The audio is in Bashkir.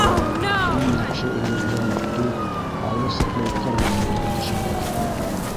Иң яҡшы өлгөргән, туҡ, ауыр сәтләүектәр генә ергә төшәләр.